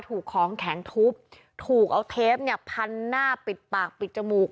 ถูกของแข็งทุบถูกเอาเทปเนี่ยพันหน้าปิดปากปิดจมูก